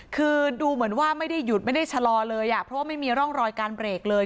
คือดูเหมือนว่าไม่ได้หยุดไม่ได้ชะลอเลยอ่ะเพราะว่าไม่มีร่องรอยการเบรกเลย